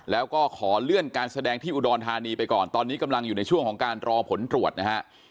แล้วก็ขอเลื่อนการแสดงที่อุดรธานีไปก่อนตอนนี้กำลังอยู่ในช่วงของการรอผลตรวจนะฮะ